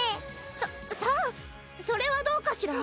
ささぁそれはどうかしら？